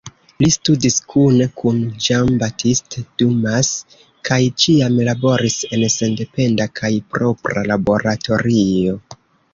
Li studis kune kun Jean-Baptiste Dumas kaj ĉiam laboris en sendependa kaj propra laboratorio.